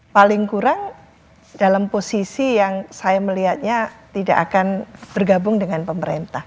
paling kurang dalam posisi yang saya melihatnya tidak akan bergabung dengan pemerintah